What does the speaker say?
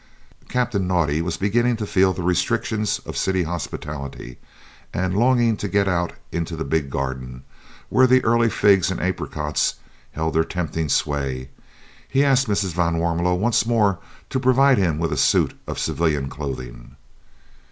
Captain Naudé was beginning to feel the restrictions of city hospitality, and, longing to get out into the big garden, where the early figs and apricots held their tempting sway, he asked Mrs. van Warmelo once more to provide him with a suit of civilian clothing.